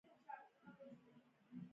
نو وايم ځناور به چرته انسانان نشي -